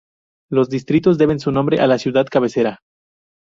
Los distritos deben su nombre a la ciudad cabecera.